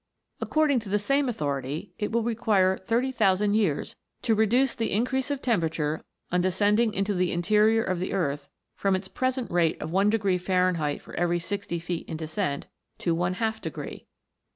According to the same authority, it will require 30,000 years to reduce the increase of tem perature on descending into the interior of the earth from its present rate of one degree Fahrenheit for every 60 feet in descent, to one half degree.